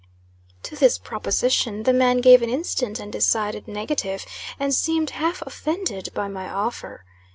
To this proposition the man gave an instant and decided negative, and seemed half offended by my offer.